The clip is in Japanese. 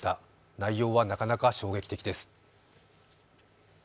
内容は、なかなか衝撃的です。